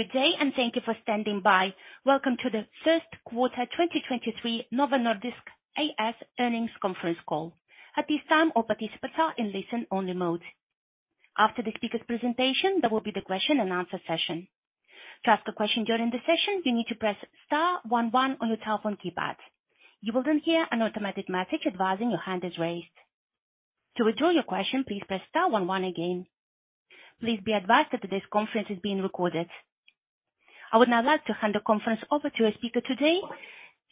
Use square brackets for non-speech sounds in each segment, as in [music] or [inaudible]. Good day. Thank you for standing by. Welcome to the first quarter 2023 Novo Nordisk A/S earnings conference call. At this time, all participants are in listen-only mode. After the speaker's presentation, there will be the question-and-answer session. To ask a question during the session, you need to press star one one on your telephone keypad. You will hear an automatic message advising your hand is raised. To withdraw your question, please press star one one again. Please be advised that today's conference is being recorded. I would now like to hand the conference over to our speaker today,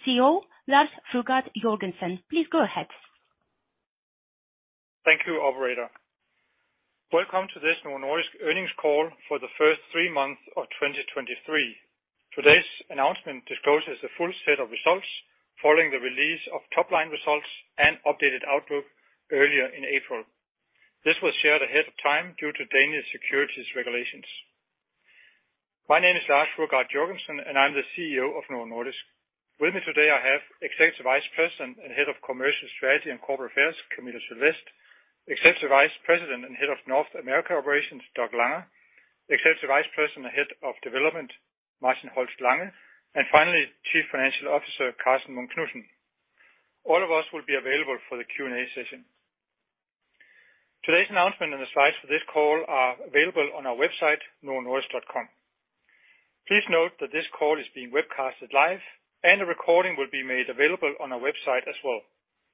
CEO Lars Fruergaard Jørgensen. Please go ahead. Thank you, operator. Welcome to this Novo Nordisk earnings call for the first three months of 2023. Today's announcement discloses the full set of results following the release of top-line results and updated outlook earlier in April. This was shared ahead of time due to Danish securities regulations. My name is Lars Fruergaard Jørgensen, I'm the CEO of Novo Nordisk. With me today I have Executive Vice President and Head of Commercial Strategy and Corporate Affairs, Camilla Sylvest, Executive Vice President and Head of North America Operations, Doug Langa, Executive Vice President and Head of Development, Martin Holst Lange, finally, Chief Financial Officer Karsten Munk Knudsen. All of us will be available for the Q&A session. Today's announcement and the slides for this call are available on our website, novonordisk.com. Please note that this call is being webcasted live, and a recording will be made available on our website as well.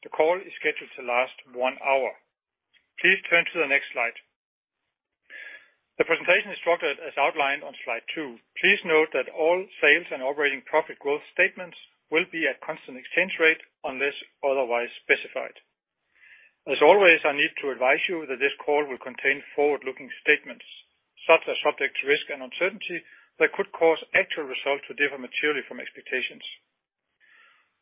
The call is scheduled to last one hour. Please turn to the next slide. The presentation is structured as outlined on slide two. Please note that all sales and operating profit growth statements will be at constant exchange rate unless otherwise specified. As always, I need to advise you that this call will contain forward-looking statements such as subject to risk and uncertainty that could cause actual results to differ materially from expectations.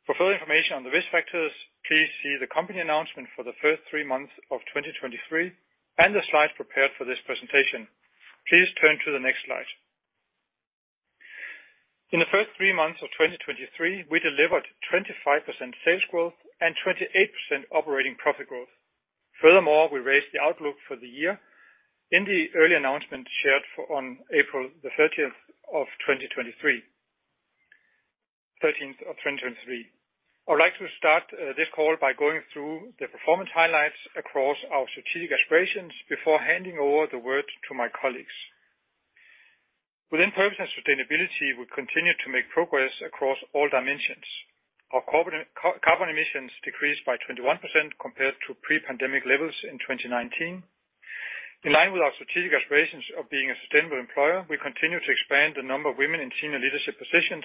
For further information on the risk factors, please see the company announcement for the first three months of 2023 and the slides prepared for this presentation. Please turn to the next slide. In the first three months of 2023, we delivered 25% sales growth and 28% operating profit growth. Furthermore, we raised the outlook for the year in the early announcement shared for, on April the 13th of 2023. I'd like to start this call by going through the performance highlights across our strategic aspirations before handing over the word to my colleagues. Within purpose and sustainability, we continue to make progress across all dimensions. Our carbon emissions decreased by 21% compared to pre-pandemic levels in 2019. In line with our strategic aspirations of being a sustainable employer, we continue to expand the number of women in senior leadership positions.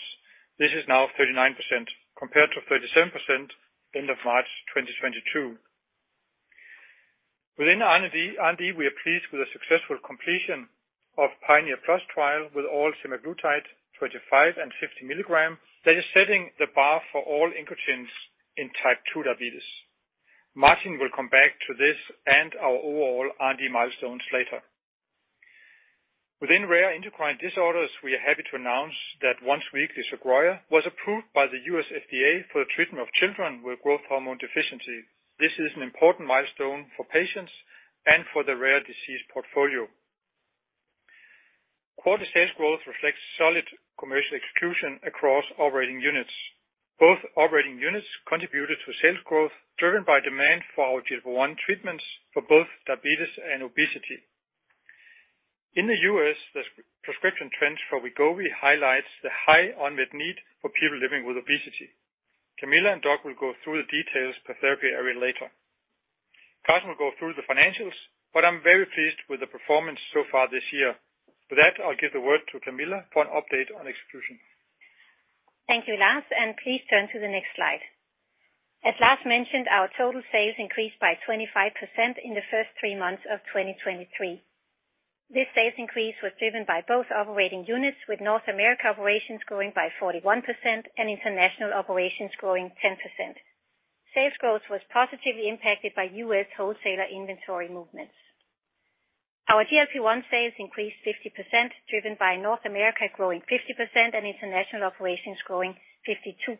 This is now 39% compared to 37% end of March, 2022. Within R&D, we are pleased with the successful completion of PIONEER PLUS trial with oral semaglutide, 25 mg and 50 mg. That is setting the bar for all incretins in Type 2 diabetes. Martin will come back to this and our overall R&D milestones later. Within rare endocrine disorders, we are happy to announce that once-weekly Sogroya was approved by the U.S. FDA for the treatment of children with growth hormone deficiency. This is an important milestone for patients and for the rare disease portfolio. Quarter sales growth reflects solid commercial exclusion across operating units. Both operating units contributed to sales growth driven by demand for our GLP-1 treatments for both diabetes and obesity. In the U.S., the prescription trends for Wegovy highlights the high unmet need for people living with obesity. Camilla and Doug will go through the details per therapy area later. Karsten will go through the financials, but I'm very pleased with the performance so far this year. For that, I'll give the word to Camilla for an update on execution. Thank you, Lars. Please turn to the next slide. As Lars mentioned, our total sales increased by 25% in the first three months of 2023. This sales increase was driven by both operating units, with North America Operations growing by 41% and International Operations growing 10%. Sales growth was positively impacted by U.S. wholesaler inventory movements. Our GLP-1 sales increased 50%, driven by North America growing 50% and International Operations growing 52%.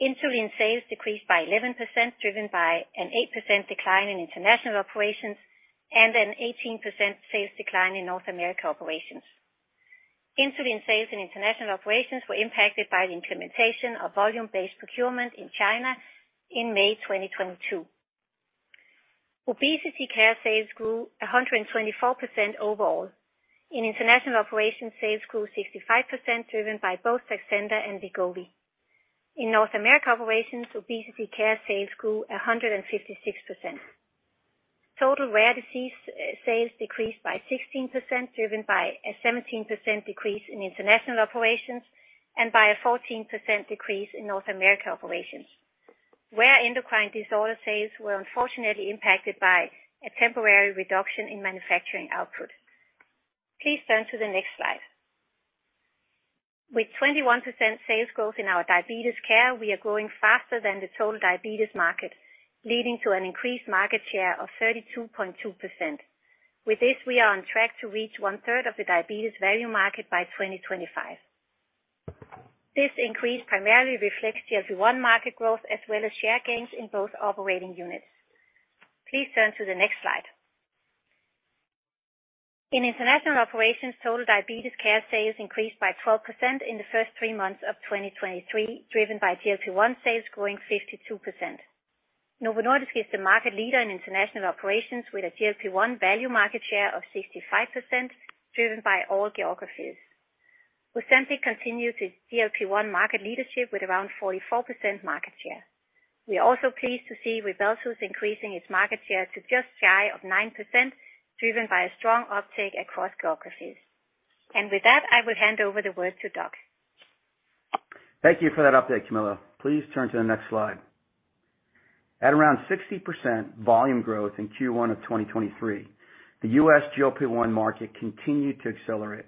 Insulin sales decreased by 11% driven by an 8% decline in International Operations and an 18% sales decline in North America Operations. Insulin sales in International Operations were impacted by the implementation of volume-based procurement in China in May 2022. Obesity care sales grew 124% overall. In International Operations, sales grew 65%, driven by both Saxenda and Wegovy. In North America operations, obesity care sales grew 156%. Total rare disease sales decreased by 16%, driven by a 17% decrease in international operations and by a 14% decrease in North America operations, where endocrine disorder sales were unfortunately impacted by a temporary reduction in manufacturing output. Please turn to the next slide. With 21% sales growth in our diabetes care, we are growing faster than the total diabetes market, leading to an increased market share of 32.2%. With this, we are on track to reach 1/3 of the diabetes value market by 2025. This increase primarily reflects GLP-1 market growth as well as share gains in both operating units. Please turn to the next slide. In international operations, total diabetes care sales increased by 12% in the first three months of 2023, driven by GLP-1 sales growing 52%. Novo Nordisk is the market leader in international operations with a GLP-1 value market share of 65% driven by all geographies. Ozempic continued its GLP-1 market leadership with around 44% market share. We are also pleased to see RYBELSUS increasing its market share to just shy of 9%, driven by a strong uptake across geographies. With that, I will hand over the word to Doug. Thank you for that update, Camilla. Please turn to the next slide. At around 60% volume growth in Q1 of 2023, the U.S. GLP-1 market continued to accelerate.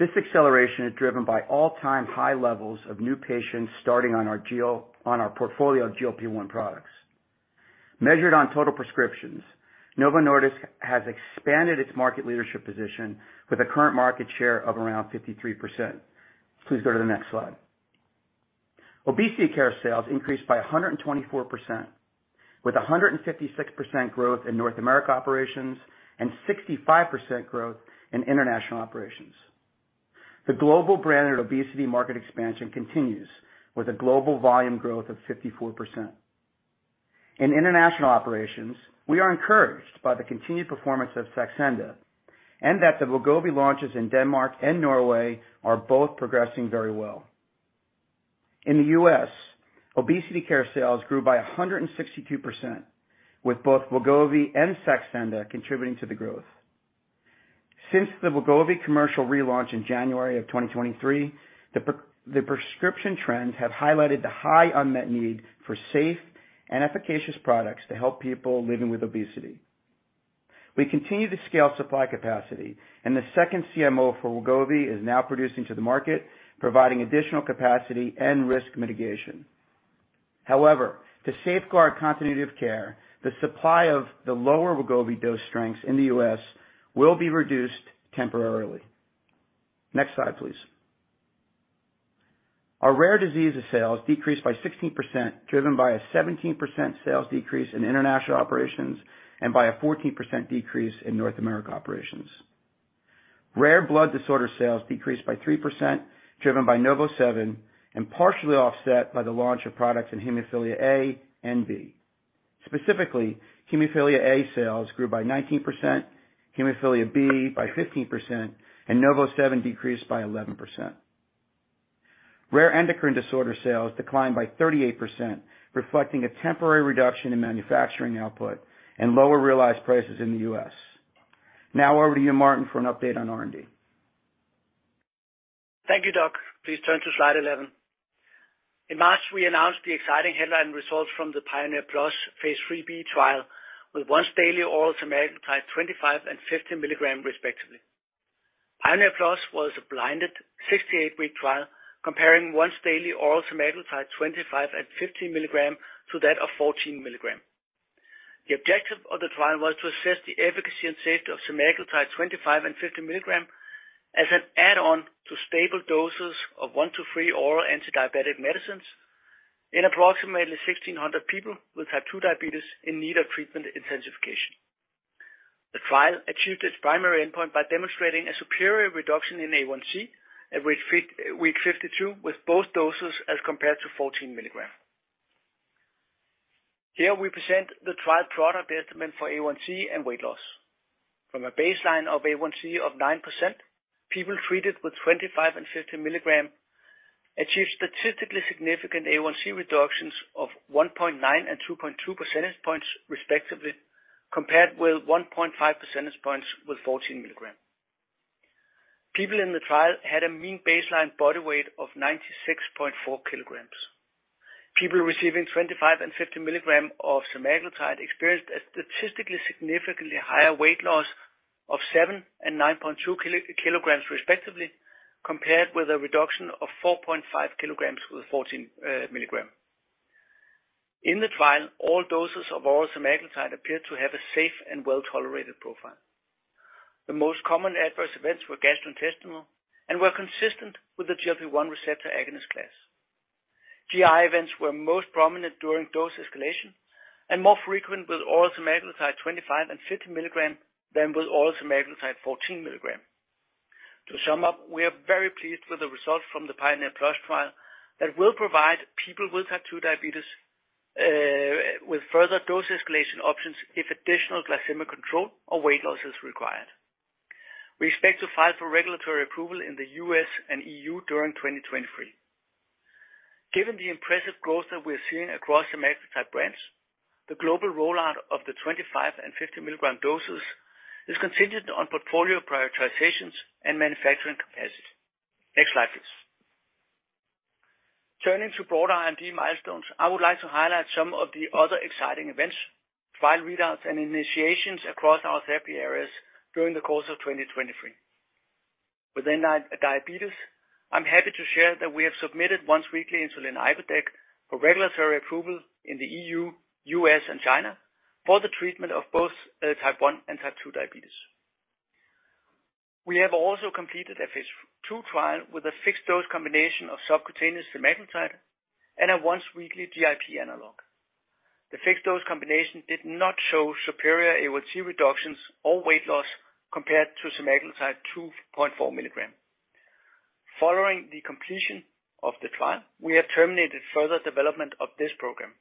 This acceleration is driven by all-time high levels of new patients starting on our portfolio of GLP-1 products. Measured on total prescriptions, Novo Nordisk has expanded its market leadership position with a current market share of around 53%. Please go to the next slide. Obesity care sales increased by 124%, with 156% growth in North America operations and 65% growth in international operations. The global branded obesity market expansion continues with a global volume growth of 54%. In international operations, we are encouraged by the continued performance of Saxenda, and that the Wegovy launches in Denmark and Norway are both progressing very well. In the U.S., obesity care sales grew by 162%, with both Wegovy and Saxenda contributing to the growth. Since the Wegovy commercial relaunch in January of 2023, the prescription trends have highlighted the high unmet need for safe and efficacious products to help people living with obesity. We continue to scale supply capacity, and the second CMO for Wegovy is now producing to the market, providing additional capacity and risk mitigation. To safeguard continuity of care, the supply of the lower Wegovy dose strengths in the U.S. will be reduced temporarily. Next slide, please. Our rare disease sales decreased by 16%, driven by a 17% sales decrease in international operations and by a 14% decrease in North America operations. Rare blood disorder sales decreased by 3%, driven by NovoSeven, and partially offset by the launch of products in hemophilia A and B. Specifically, hemophilia A sales grew by 19%, hemophilia B by 15%, and NovoSeven decreased by 11%. Rare endocrine disorder sales declined by 38%, reflecting a temporary reduction in manufacturing output and lower realized prices in the U.S. Now over to you, Martin, for an update on R&D. Thank you, Doug. Please turn to slide 11. In March, we announced the exciting headline results from the PIONEER PLUS phase III-B trial with once daily oral semaglutide 25 mg and 50 mg respectively. PIONEER PLUS was a blinded 68-week trial comparing once daily oral semaglutide 25 mg and 50 mg to that of 14 mg. The objective of the trial was to assess the efficacy and safety of semaglutide 25 mg and 50 mg as an add-on to stable doses of 1 to 3 oral antidiabetic medicines in approximately 1,600 people with Type 2 diabetes in need of treatment intensification. The trial achieved its primary endpoint by demonstrating a superior reduction in A1C at week 52 with both doses as compared to 14 mg. Here we present the trial product estimate for A1C and weight loss. From a baseline of A1C of 9%, people treated with 25 mg and 50 mg achieved statistically significant A1C reductions of 1.9 and 2.2 percentage points respectively, compared with 1.5 percentage points with 14 mg. People in the trial had a mean baseline body weight of 96.4 kg. People receiving 25 mg and 50 mg of semaglutide experienced a statistically significantly higher weight loss of 7 kg and 9.2 kg respectively, compared with a reduction of 4.5 kg with 14 mg. In the trial, all doses of oral semaglutide appeared to have a safe and well-tolerated profile. The most common adverse events were gastrointestinal and were consistent with the GLP-1 receptor agonist class. GI events were most prominent during dose escalation and more frequent with oral semaglutide 25 mg and 50 mg than with oral semaglutide 14 mg. To sum up, we are very pleased with the results from the PIONEER PLUS trial that will provide people with Type 2 diabetes with further dose escalation options if additional glycemic control or weight loss is required. We expect to file for regulatory approval in the U.S. and EU during 2023. Given the impressive growth that we're seeing across semaglutide brands, the global rollout of the 25 mg and 50 mg doses is contingent on portfolio prioritizations and manufacturing capacity. Next slide, please. Turning to broader R&D milestones, I would like to highlight some of the other exciting events, trial readouts, and initiations across our therapy areas during the course of 2023. Within diabetes, I'm happy to share that we have submitted once-weekly insulin icodec for regulatory approval in the EU, U.S., and China for the treatment of both Type 1 and Type 2 diabetes. We have also completed a phase II trial with a fixed dose combination of subcutaneous semaglutide and a once weekly GIP analog. The fixed dose combination did not show superior A1C reductions or weight loss compared to semaglutide 2.4 mg. Following the completion of the trial, we have terminated further development of this program.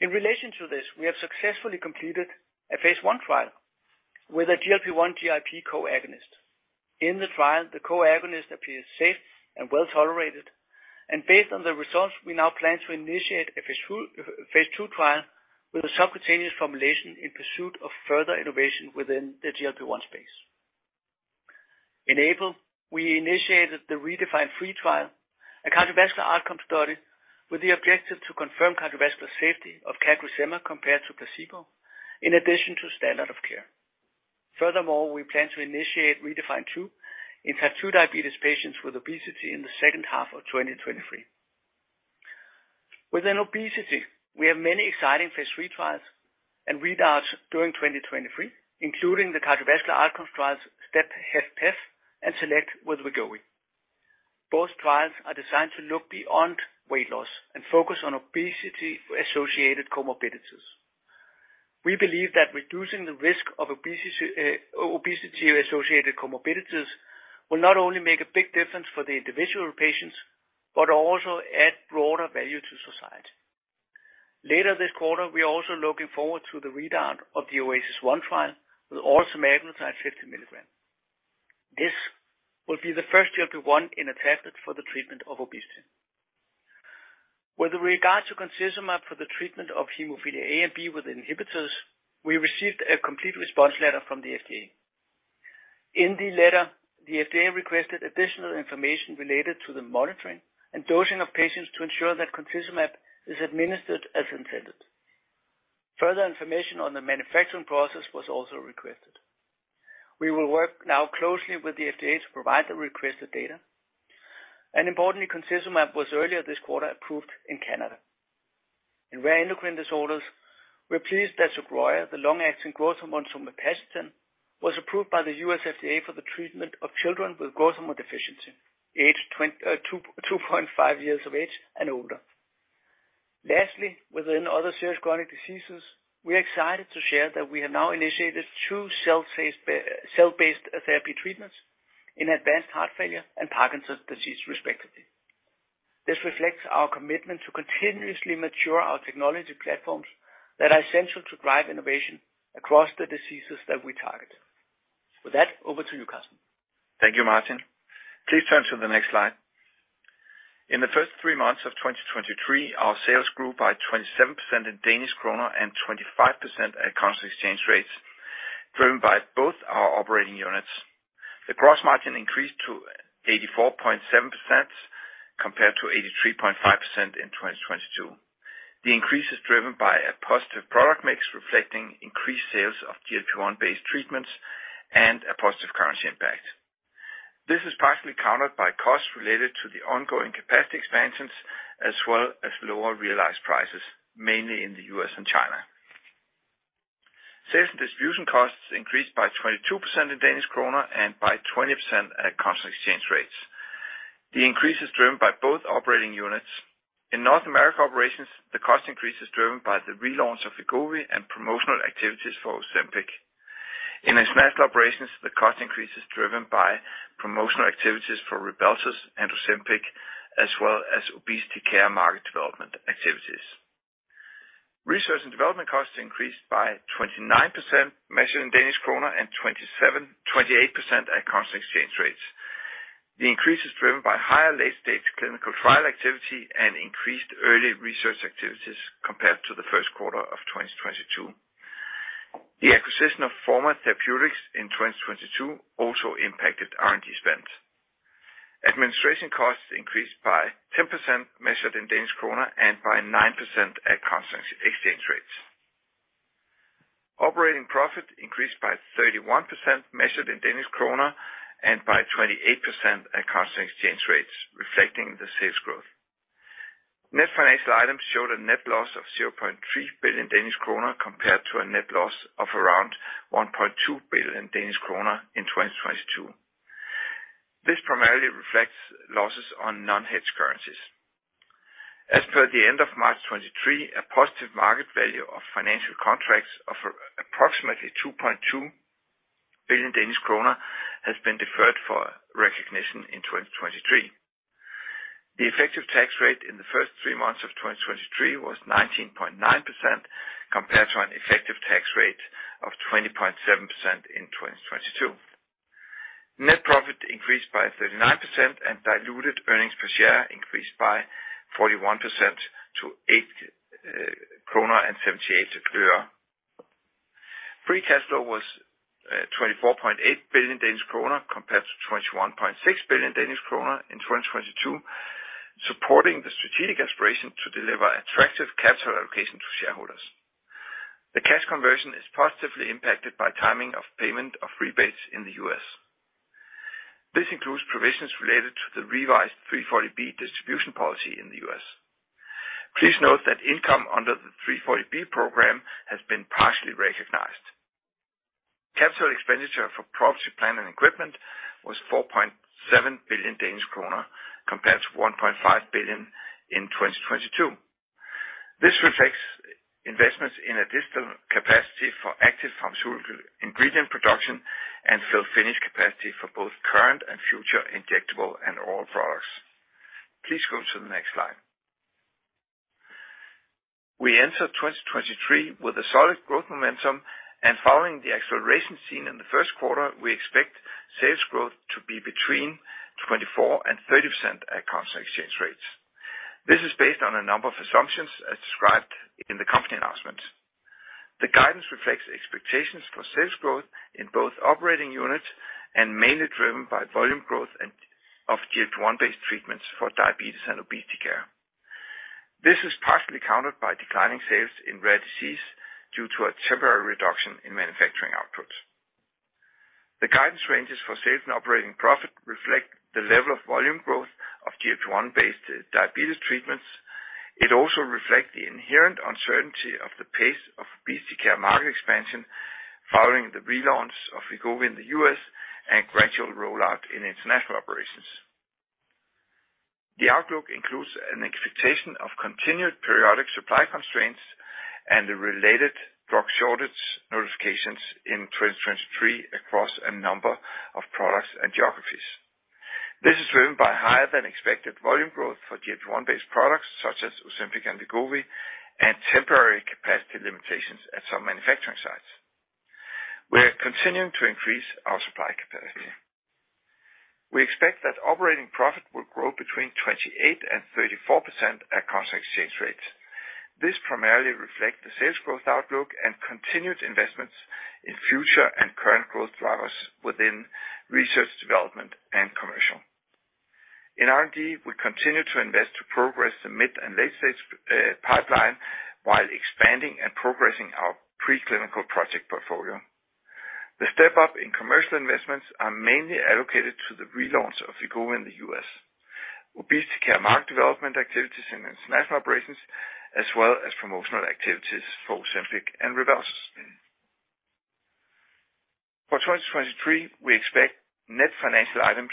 In relation to this, we have successfully completed a phase I trial with a GLP-1 GIP co-agonist. In the trial, the co-agonist appears safe and well-tolerated. Based on the results, we now plan to initiate a phase II trial with a subcutaneous formulation in pursuit of further innovation within the GLP-1 space. In April, we initiated the REDEFINE 3 trial, a cardiovascular outcome study with the objective to confirm cardiovascular safety of CagriSema compared to placebo, in addition to standard of care. Furthermore, we plan to initiate REDEFINE 2 in Type 2 diabetes patients with obesity in the second half of 2023. Within obesity, we have many exciting phase II trials and readouts during 2023, including the cardiovascular outcomes trials, STEP-HFpEF and SELECT with Wegovy. Both trials are designed to look beyond weight loss and focus on obesity-associated comorbidities. We believe that reducing the risk of obesity-associated comorbidities will not only make a big difference for the individual patients, but also add broader value to society. Later this quarter, we are also looking forward to the readout of the OASIS 1 trial with oral semaglutide 50 mg. This will be the first GLP-1 in a tablet for the treatment of obesity. With regard to concizumab for the treatment of hemophilia A and B with inhibitors, we received a complete response letter from the FDA. In the letter, the FDA requested additional information related to the monitoring and dosing of patients to ensure that concizumab is administered as intended. Further information on the manufacturing process was also requested. We will work now closely with the FDA to provide the requested data. Importantly, concizumab was earlier this quarter approved in Canada. In rare endocrine disorders, we are pleased that Sogroya, the long-acting growth hormone somapacitan, was approved by the U.S. FDA for the treatment of children with growth hormone deficiency, age, 2.5 years of age and older. Lastly, within other serious chronic diseases, we are excited to share that we have now initiated two cell-based therapy treatments in advanced heart failure and Parkinson's disease respectively. This reflects our commitment to continuously mature our technology platforms that are essential to drive innovation across the diseases that we target. With that, over to you, Karsten. Thank you, Martin. Please turn to the next slide. In the first three months of 2023, our sales grew by 27% in Danish krone and 25% at constant exchange rates, driven by both our operating units. The gross margin increased to 84.7% compared to 83.5% in 2022. The increase is driven by a positive product mix, reflecting increased sales of GLP-1 based treatments and a positive currency impact. This is partially countered by costs related to the ongoing capacity expansions as well as lower realized prices, mainly in the U.S. and China. Sales and distribution costs increased by 22% in Danish krone and by 20% at constant exchange rates. The increase is driven by both operating units. In North America operations, the cost increase is driven by the relaunch of Wegovy and promotional activities for Ozempic. In international operations, the cost increase is driven by promotional activities for RYBELSUS and Ozempic, as well as obesity care market development activities. Research & Development costs increased by 29% measured in Danish krone and 28% at constant exchange rates. The increase is driven by higher late-stage clinical trial activity and increased early research activities compared to the first quarter of 2022. The acquisition of Forma Therapeutics in 2022 also impacted R&D spend. Administration costs increased by 10% measured in Danish krone and by 9% at constant exchange rates. Operating profit increased by 31% measured in Danish krone and by 28% at constant exchange rates, reflecting the sales growth. Net financial items showed a net loss of 0.3 billion Danish kroner compared to a net loss of around 1.2 billion Danish kroner in 2022. This primarily reflects losses on non-hedge currencies. As per the end of March 2023, a positive market value of financial contracts of approximately 2.2 billion Danish kroner has been deferred for recognition in 2023. The effective tax rate in the first three months of 2023 was 19.9% compared to an effective tax rate of 20.7% in 2022. Net profit increased by 39% and diluted earnings per share increased by 41% to DKK 8.78. Free cash flow was 24.8 billion Danish kroner compared to 21.6 billion Danish kroner in 2022, supporting the strategic aspiration to deliver attractive capital allocation to shareholders. The cash conversion is positively impacted by timing of payment of rebates in the U.S. This includes provisions related to the revised 340B distribution policy in the U.S. Please note that income under the 340B program has been partially recognized. CapEx for property plan and equipment was 4.7 billion Danish kroner, compared to 1.5 billion in 2022. This reflects investments in additional capacity for active pharmaceutical ingredient production and fill finish capacity for both current and future injectable and oral products. Please go to the next slide. We enter 2023 with a solid growth momentum, following the acceleration seen in the first quarter, we expect sales growth to be between 24% and 30% at constant exchange rates. This is based on a number of assumptions as described in the company announcement. The guidance reflects expectations for sales growth in both operating units and mainly driven by volume growth and of GLP-1 based treatments for diabetes and obesity care. This is partially countered by declining sales in rare disease due to a temporary reduction in manufacturing outputs. The guidance ranges for sales and operating profit reflect the level of volume growth of GLP-1 based diabetes treatments. It also reflects the inherent uncertainty of the pace of obesity care market expansion following the relaunch of Wegovy in the U.S. and gradual rollout in international operations. The outlook includes an expectation of continued periodic supply constraints and the related drug shortage notifications in 2023 across a number of products and geographies. This is driven by higher than expected volume growth for GLP-1 based products such as Ozempic and Wegovy and temporary capacity limitations at some manufacturing sites. We are continuing to increase our supply capacity. We expect that operating profit will grow between 28% and 34% at constant exchange rates. This primarily reflect the sales growth outlook and continued investments in future and current growth drivers within research development and commercial. In R&D, we continue to invest to progress the mid and late stage pipeline while expanding and progressing our pre-clinical project portfolio. The step up in Commercial investments are mainly allocated to the relaunch of Wegovy in the U.S., obesity care market development activities in its national operations, as well as promotional activities for Ozempic and RYBELSUS. For 2023, we expect net financial items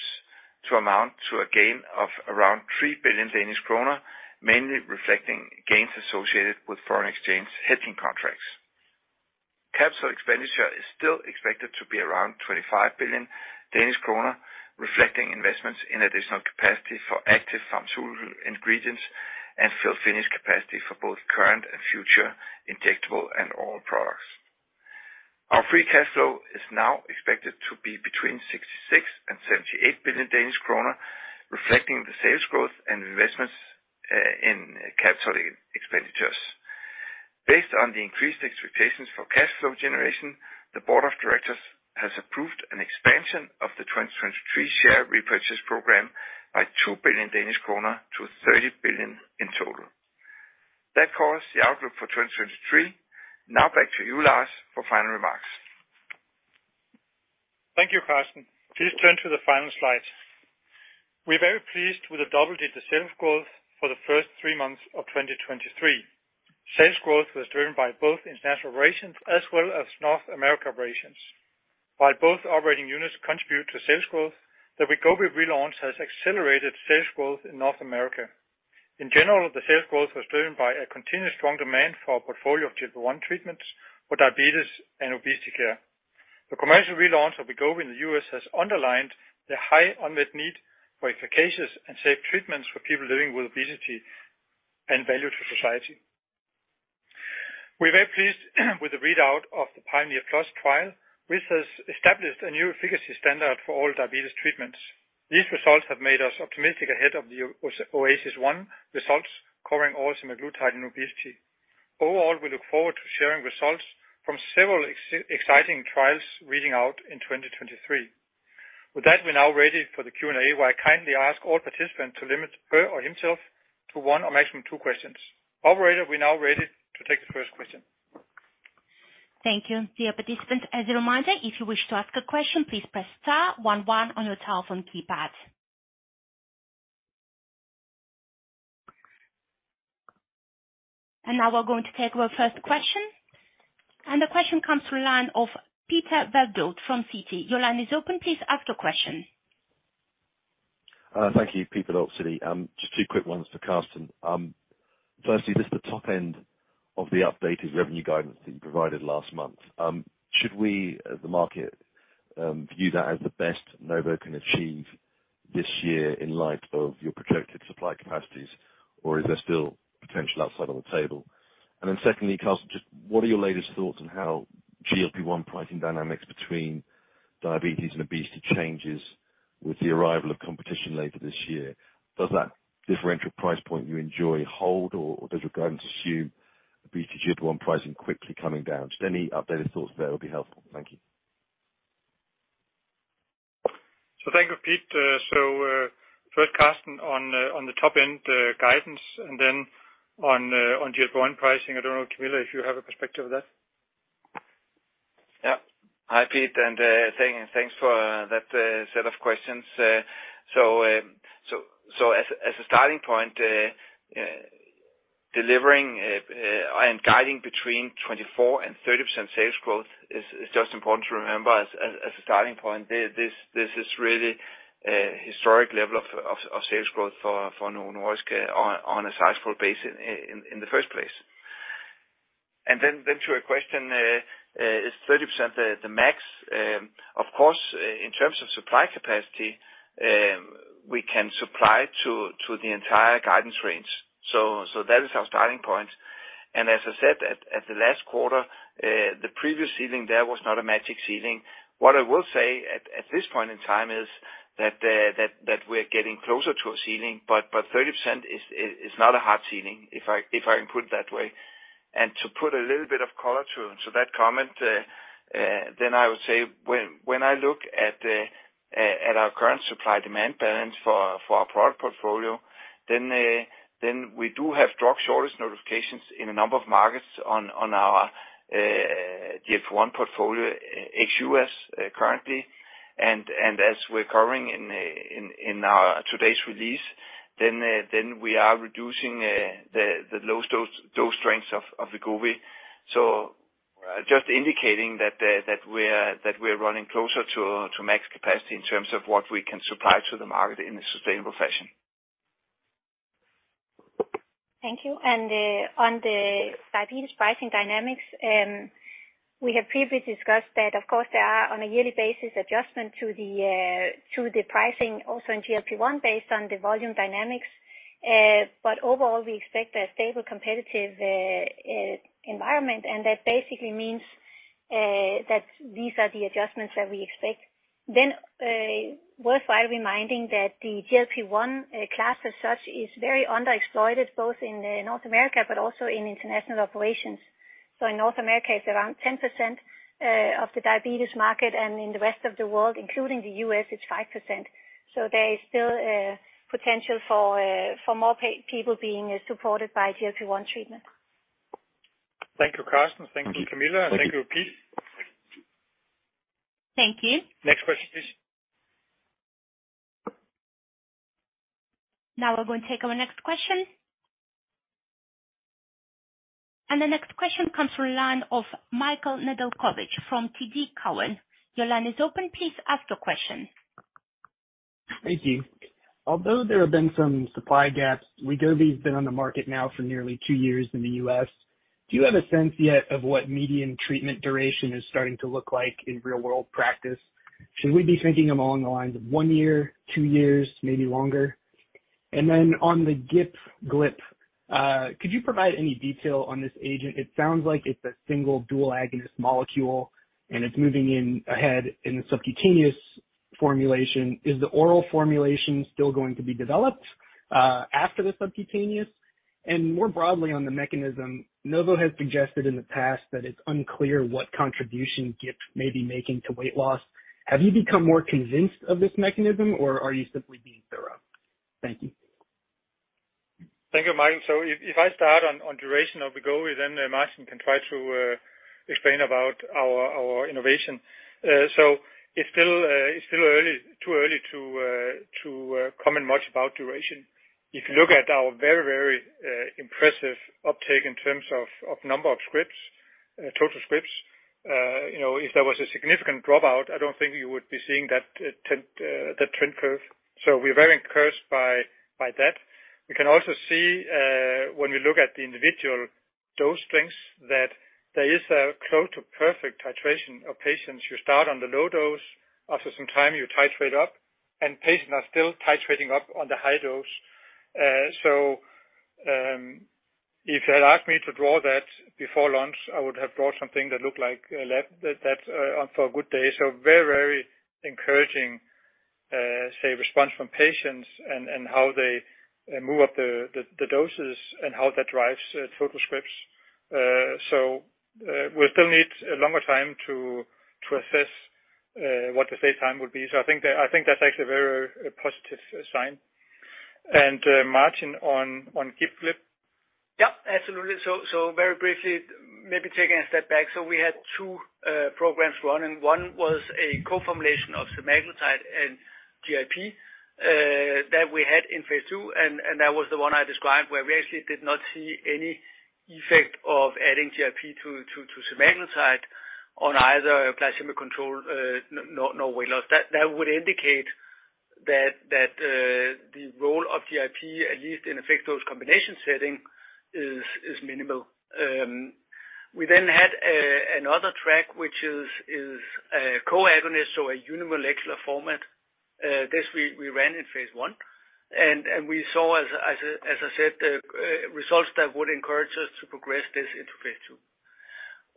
to amount to a gain of around 3 billion Danish kroner, mainly reflecting gains associated with foreign exchange hedging contracts. Capital expenditure is still expected to be around 25 billion Danish kroner, reflecting investments in additional capacity for active pharmaceutical ingredients and fill-finished capacity for both current and future injectable and oral products. Our free cash flow is now expected to be between 66 billion and 78 billion Danish kroner, reflecting the sales growth and investments in capital expenditures. Based on the increased expectations for cash flow generation, the board of directors has approved an expansion of the 2023 share repurchase program by 2 billion Danish kroner to 30 billion in total. That covers the outlook for 2023. Now back to you, Lars, for final remarks. Thank you, Karsten. Please turn to the final slide. We're very pleased with the double-digit sales growth for the first three months of 2023. Sales growth was driven by both international operations as well as North America operations. While both operating units contribute to sales growth, the Wegovy relaunch has accelerated sales growth in North America. In general, the sales growth was driven by a continuous strong demand for our portfolio of GLP-1 treatments for diabetes and obesity care. The commercial relaunch of Wegovy in the U.S. has underlined the high unmet need for efficacious and safe treatments for people living with obesity and value to society. We're very pleased with the readout of the PIONEER PLUS trial, which has established a new efficacy standard for all diabetes treatments. These results have made us optimistic ahead of the OASIS 1 results covering oral semaglutide and obesity. Overall, we look forward to sharing results from several exciting trials reading out in 2023. We're now ready for the Q&A, where I kindly ask all participants to limit her or himself to one or maximum two questions. Operator, we're now ready to take the first question. Thank you. Dear participants, as a reminder, if you wish to ask a question, please press star one one on your telephone keypad. Now we're going to take our first question. The question comes through line of Peter Verdult from Citi. Your line is open. Please ask your question. Thank you. Peter Verdult, Citi. Just two quick ones for Karsten. Firstly, just the top end of the updated revenue guidance that you provided last month. Should we as the market, view that as the best Novo can achieve this year in light of your projected supply capacities, or is there still potential outside on the table? Secondly, Karsten, just what are your latest thoughts on how GLP-1 pricing dynamics between diabetes and obesity changes with the arrival of competition later this year? Does that differential price point you enjoy hold, or does your guidance assume obesity GLP-1 pricing quickly coming down? Just any updated thoughts there would be helpful. Thank you. Thank you, Pete. First Karsten on on the top end guidance and then on on GLP-1 pricing. I don't know, Camilla, if you have a perspective of that? Yeah. Hi, Pete, and thanks for that set of questions. As a starting point, delivering and guiding between 24% and 30% sales growth is just important to remember as a starting point. This is really a historic level of sales growth for Novo Nordisk on a sizable base in the first place. Then to your question, is 30% the max? Of course, in terms of supply capacity, we can supply to the entire guidance range. That is our starting point. As I said at the last quarter, the previous ceiling there was not a magic ceiling. What I will say at this point in time is that we're getting closer to a ceiling, but 30% is not a hard ceiling, if I can put it that way. To put a little bit of color to that comment, then I would say when I look at our current supply-demand balance for our product portfolio, then we do have drug shortage notifications in a number of markets on our [DF-1] portfolio HU.S. currently. As we're covering in our today's release, then we are reducing the low dose strengths of Wegovy. Just indicating that we're running closer to max capacity in terms of what we can supply to the market in a sustainable fashion. Thank you. On the diabetes pricing dynamics, we have previously discussed that of course, there are on a yearly basis adjustment to the to the pricing also in GLP-1 based on the volume dynamics. Overall, we expect a stable competitive environment. That basically means that these are the adjustments that we expect. Worthwhile reminding that the GLP-1 class as such is very underexploited both in North America but also in international operations. In North America, it's around 10% of the diabetes market, and in the rest of the world, including the U.S., it's 5%. There is still potential for people being supported by GLP-1 treatment. Thank you, Karsten. Thank you, Camilla. Thank you, Pete. Thank you. Next question, please. Now we're going to take our next question. The next question comes from line of Michael Nedelcovych from TD Cowen. Your line is open. Please ask your question. Thank you. Although there have been some supply gaps, Wegovy's been on the market now for nearly 2 years in the U.S. Do you have a sense yet of what median treatment duration is starting to look like in real-world practice? Should we be thinking along the lines of one year, two years, maybe longer? On the GIP/GLP, could you provide any detail on this agent? It sounds like it's a single dual agonist molecule, and it's moving in ahead in the subcutaneous formulation. Is the oral formulation still going to be developed after the subcutaneous? More broadly on the mechanism, Novo has suggested in the past that it's unclear what contribution GIP may be making to weight loss. Have you become more convinced of this mechanism, or are you simply being thorough? Thank you. Thank you, Michael. If I start on duration of Wegovy, then Martin can try to explain about our innovation. It's still early, too early to comment much about duration. If you look at our very impressive uptake in terms of number of scripts, total scripts, you know, if there was a significant dropout, I don't think you would be seeing that trend, that trend curve. We're very encouraged by that. We can also see when we look at the individual dose strengths, that there is a close to perfect titration of patients. You start on the low dose. After some time, you titrate up, and patients are still titrating up on the high dose. Uh, so, um, if you had asked me to draw that before launch, I would have drawn something that looked like a lap that, that, uh, on for a good day. So very, very encouraging, uh, say, response from patients and, and how they, uh, move up the, the, the doses and how that drives, uh, total scripts. Uh, so, uh, we still need a longer time to, to assess, uh, what the safe time would be. So I think that, I think that's actually a very positive sign. And, uh, Martin on, on GIP/GLP. Absolutely. So very briefly, maybe taking a step back. We had two programs running. One was a co-formulation of semaglutide and GIP that we had in phase two, and that was the one I described where we actually did not see any effect of adding GIP to semaglutide on either glycemic control, no weight loss. That would indicate that the role of GIP, at least in a fixed-dose combination setting, is minimal. We then had another track which is a co-agonist, so a unimolecular format. This we ran in phase one. We saw as I said, results that would encourage us to progress this into phase two.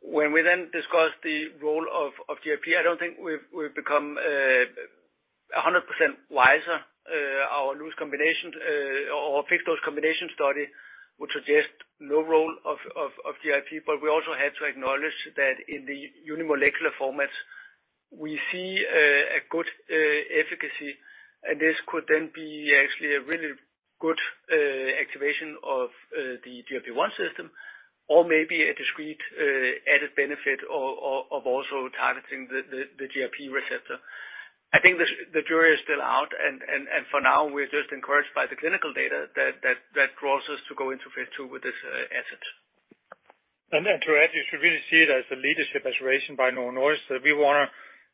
When we then discussed the role of GIP, I don't think we've become a 100% wiser. Our loose combination, our fixed-dose combination study would suggest no role of GIP, but we also had to acknowledge that in the unimolecular formats. We see a good efficacy, and this could then be actually a really good activation of the GLP-1 system or maybe a discrete added benefit of also targeting the GLP receptor. I think this, the jury is still out, and for now, we're just encouraged by the clinical data that draws us to go into phase II with this asset. Then to add, you should really see it as a leadership aspiration by Novo Nordisk, that we wanna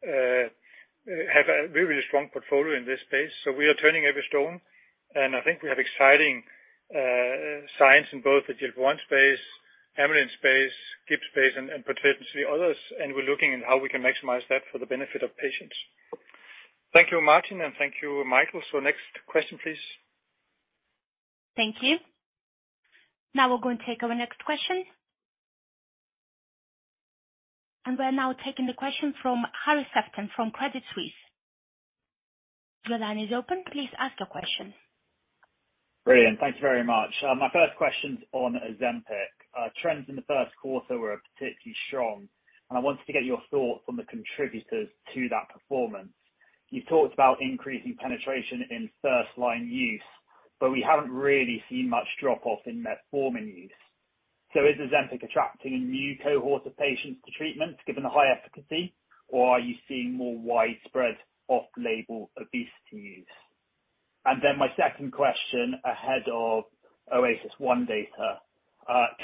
have a really strong portfolio in this space, so we are turning every stone. I think we have exciting science in both the GLP-1 space, amylin space, GIP space, and potentially others. We're looking at how we can maximize that for the benefit of patients. Thank you, Martin, and thank you, Michael. Next question, please. Thank you. Now we're going to take our next question. We're now taking the question from Harry Sephton from Credit Suisse. Your line is open. Please ask your question. Brilliant. Thank you very much. My first question's on Ozempic. Trends in the first quarter were particularly strong, and I wanted to get your thoughts on the contributors to that performance. You talked about increasing penetration in first-line use, but we haven't really seen much drop off in metformin use. Is Ozempic attracting a new cohort of patients to treatment given the high efficacy, or are you seeing more widespread off-label obesity use? My second question ahead of OASIS 1 data,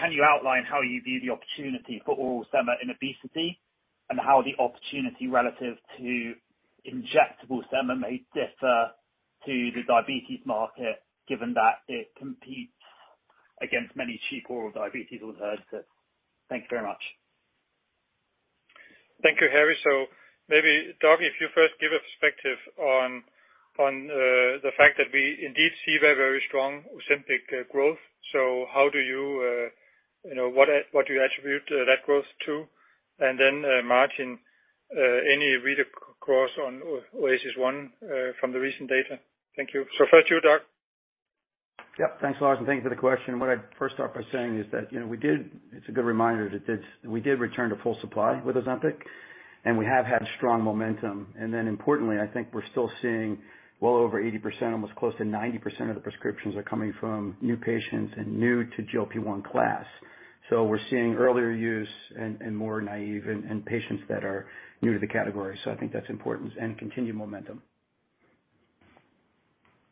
can you outline how you view the opportunity for oral sema in obesity, and how the opportunity relative to injectable sema may differ to the diabetes market given that it competes against many cheap oral diabetes on offer? Thank you very much. Thank you, Harry. Maybe, Doug, if you first give a perspective on, the fact that we indeed see very, very strong Ozempic growth. How do you know, what do you attribute that growth to? Then, Martin, any read across on OASIS 1 from the recent data? Thank you. First you, Doug. Yep. Thanks, Lars, and thank you for the question. What I'd first start by saying is that, you know, we did return to full supply with Ozempic, and we have had strong momentum. Importantly, I think we're still seeing well over 80%, almost close to 90% of the prescriptions are coming from new patients and new to GLP-1 class. We're seeing earlier use and more naive and patients that are new to the category. I think that's important and continued momentum.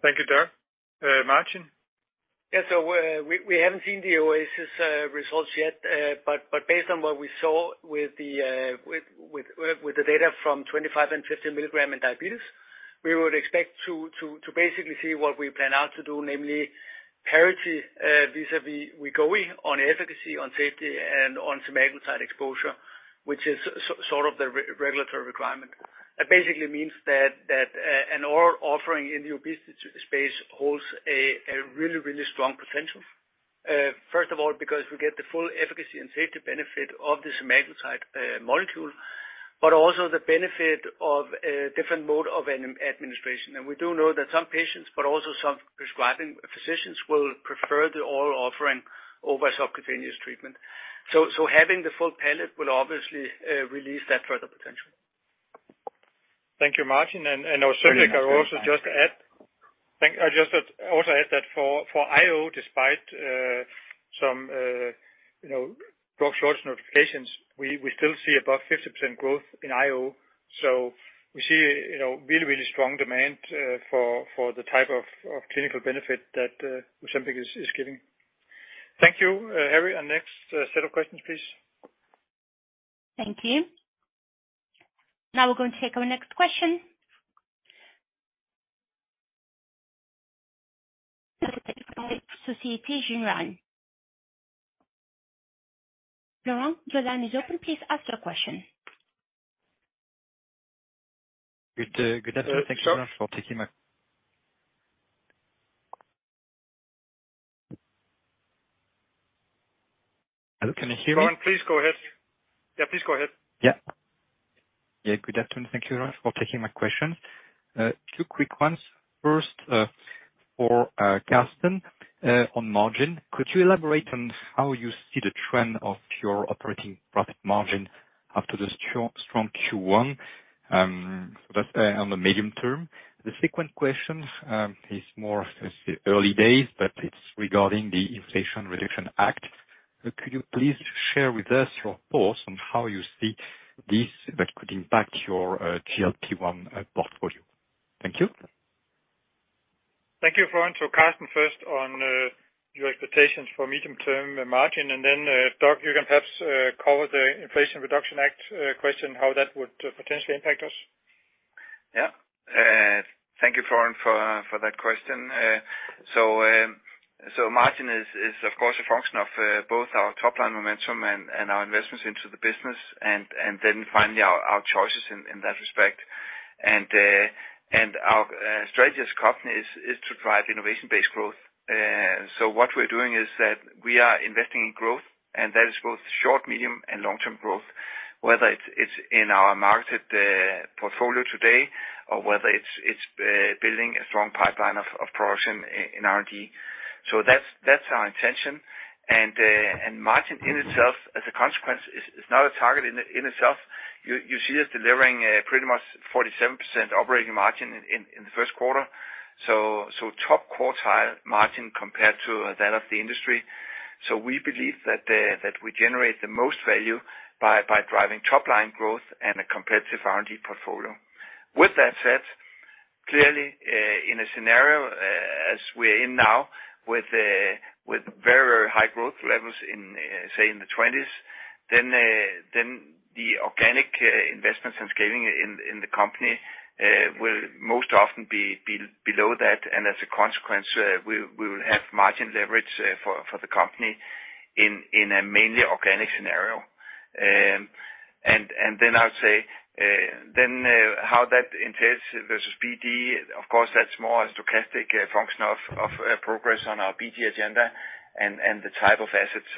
Thank you, Doug. Martin? Yeah. We haven't seen the OASIS 1 results yet. But based on what we saw with the data from 25 mg and 50 mg in diabetes, we would expect to basically see what we plan out to do, namely parity vis-a-vis Wegovy on efficacy, on safety, and on semaglutide exposure, which is sort of the re-regulatory requirement. That basically means that an oral offering in the obesity space holds a really strong potential. First of all, because we get the full efficacy and safety benefit of the semaglutide molecule, but also the benefit of a different mode of administration. We do know that some patients, but also some prescribing physicians, will prefer the oral offering over subcutaneous treatment. So having the full palette will obviously release that further potential. Thank you, Martin. Also, can I also just add. Thank you. I also add that for IO, despite some, you know, short notifications, we still see above 50% growth in IO. We see, you know, really strong demand for the type of clinical benefit that Ozempic is giving. Thank you, Harry. Next set of questions, please. Thank you. We're going to take our next question. Florent, your line is open. Please ask your question. Good, good afternoon. Sure. Thank you very much for taking. Hello, can you hear me? Florent, please go ahead. Yeah, good afternoon. Thank you for taking my question. Two quick ones. First, for Karsten, on margin. Could you elaborate on how you see the trend of your operating profit margin after the strong Q1, so that's on the medium term. The second question is more, let's say, early days, but it's regarding the Inflation Reduction Act. Could you please share with us your thoughts on how you see this that could impact your GLP-1 portfolio? Thank you. Thank you, Florent. Karsten first on your expectations for medium-term margin, and then, Doug, you can perhaps cover the Inflation Reduction Act question, how that would potentially impact us. Thank you Florent for that question. Margin is of course a function of both our top line momentum and our investments into the business and then finally our choices in that respect. Our strategy as a company is to drive innovation-based growth. What we're doing is that we are investing in growth, and that is both short, medium, and long-term growth, whether it's in our marketed portfolio today or whether it's building a strong pipeline of products in R&D. That's our intention. Margin in itself, as a consequence, is not a target in itself. You see us delivering pretty much 47% operating margin in the first quarter, so top quartile margin compared to that of the industry. We believe that we generate the most value by driving top line growth and a competitive R&D portfolio. With that said, clearly, in a scenario as we're in now with very high growth levels in say in the 20s, then the organic investments and scaling in the company will most often be below that. As a consequence, we will have margin leverage for the company in a mainly organic scenario. I would say, then how that entails versus BD, of course, that's more a stochastic function of progress on our BD agenda and the type of assets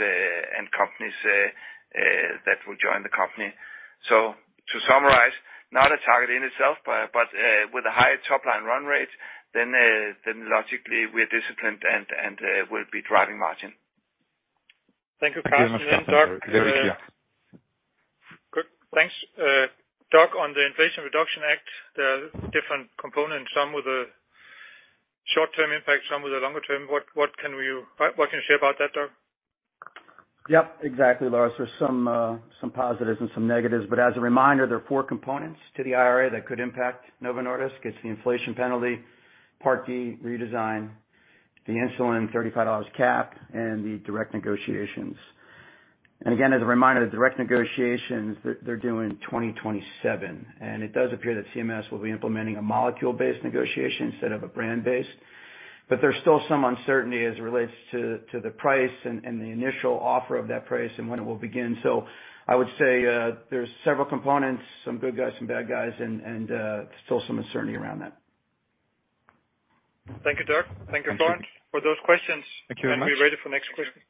and companies that will join the company. To summarize, not a target in itself, but with a high top line run rate then logically, we're disciplined and we'll be driving margin. Thank you, Lars. [audio distortion] Good. Thanks. Doug, on the Inflation Reduction Act, the different components, some with the short-term impact, some with the longer term, what can you share about that, Doug? Yep. Exactly, Lars. There's some positives and some negatives. As a reminder, there are four components to the IRA that could impact Novo Nordisk. It's the inflation penalty, Part D redesign, the insulin $35 cap, and the direct negotiations. Again, as a reminder, the direct negotiations they're due in 2027, and it does appear that CMS will be implementing a molecule-based negotiation instead of a brand-based. There's still some uncertainty as it relates to the price and the initial offer of that price and when it will begin. I would say, there's several components, some good guys, some bad guys, and still some uncertainty around that. Thank you, Doug. Thank you, Florent, for those questions. Thank you very much. We're ready for next question.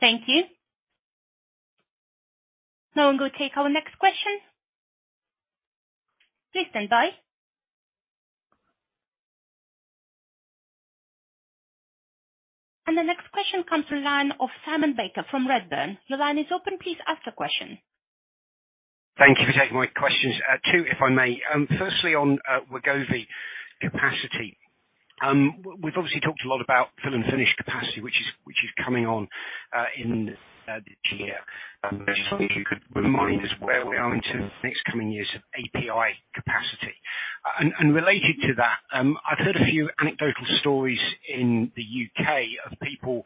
Thank you. Thank you. Now we'll go take our next question. Please stand by. The next question comes to line of Simon Baker from Redburn. Your line is open. Please ask a question. Thank you for taking my questions. Two, if I may. Firstly on Wegovy capacity. We've obviously talked a lot about fill and finish capacity, which is coming on in this year. Just wondering if you could remind us where we are into next coming years of API capacity. Related to that, I've heard a few anecdotal stories in the U.K. of people